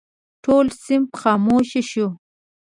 ټول صنف خاموش شو.